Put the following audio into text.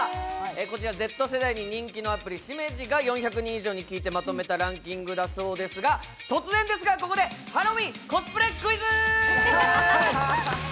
こちらＺ世代に人気のアプリ、しめじがＺ世代の４００人以上に聞いてまとめたランキングですが、突然ですが、ここでハロウィーンコスプレクイズ！！